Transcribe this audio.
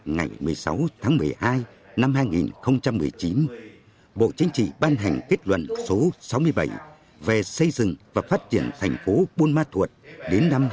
ngày một mươi sáu tháng một mươi hai năm hai nghìn một mươi chín bộ chính trị ban hành kết luận số sáu mươi bảy về xây dựng và phát triển thành phố buôn ma thuột đến năm hai nghìn hai mươi